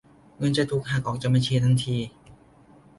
เงินจะถูกหักออกจากบัญชีทันที